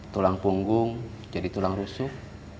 tulang punggung jadi tulang rusuh